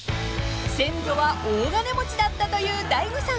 ［先祖は大金持ちだったという大悟さん］